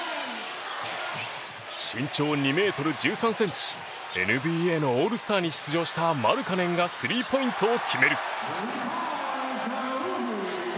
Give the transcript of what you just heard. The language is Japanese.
身長２ｍ１３ｃｍＮＢＡのオールスターに出場したマルカネンがスリーポイントを決める。